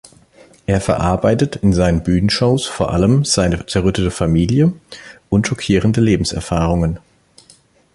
Er verarbeitet in seinen Bühnenshows vor allem seine zerrüttete Familie und schockierende Lebenserfahrungen.